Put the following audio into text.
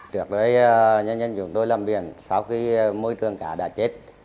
trước đây nhân dân chúng tôi làm biển sau khi môi tường cá đã chết